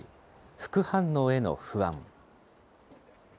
副反応への不安。